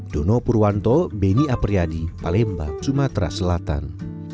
dono purwanto beni apriyadi palembang sumatera selatan